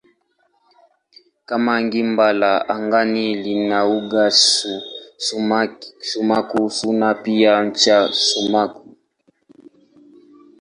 Kama gimba la angani lina uga sumaku kuna pia ncha sumaku.